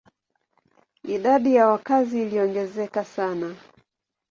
Idadi ya wakazi iliongezeka sana.